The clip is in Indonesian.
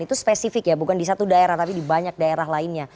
itu spesifik ya bukan di satu daerah tapi di banyak daerah lainnya